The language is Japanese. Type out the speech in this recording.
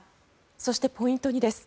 そして、ポイント２です。